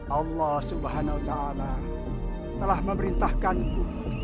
allah subhanahu wa ta'ala telah memerintahkanku